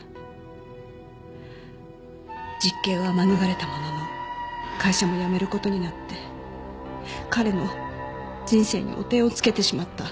実刑は免れたものの会社も辞める事になって彼の人生に汚点を付けてしまった。